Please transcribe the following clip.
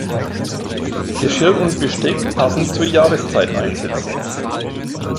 Geschirr und Besteck passend zur Jahreszeit einsetzen.